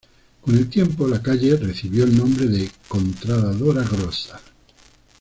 Con el tiempo la calle recibió el nombre de Contrada Dora Grossa.